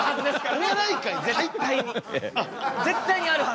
絶対にあるはず。